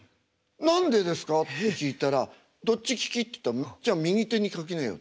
「何でですか？」って聞いたら「どっち利き？じゃあ右手に書きなよ」。